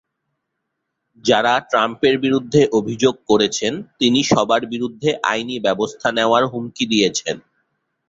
যাঁরা ট্রাম্পের বিরুদ্ধে অভিযোগ করেছেন, তিনি সবার বিরুদ্ধে আইনি ব্যবস্থা নেওয়ার হুমকি দিয়েছেন।